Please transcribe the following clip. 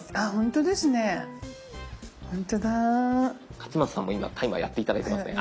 勝俣さんも今タイマーやって頂いてますね。